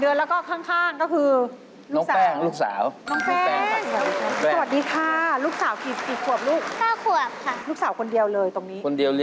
เดี๋ยวกว่าวันนี้อาจารย์ไม่ได้มาคนเดียว